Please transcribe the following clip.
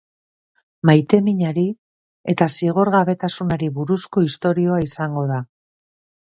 Maiteminari eta zigorgabetasunari buruzko istorioa izango da.